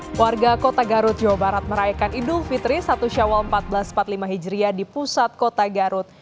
hai warga kota garut jawa barat merayakan idul fitri satu syawal seribu empat ratus empat puluh lima hijriah di pusat kota garut